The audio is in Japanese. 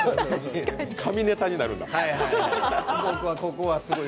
上ネタになるんだ。